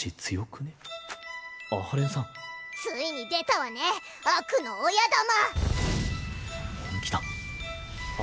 ついに出たわね悪の親玉。